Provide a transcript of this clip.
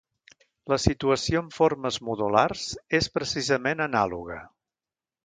La situació amb formes modulars és precisament anàloga.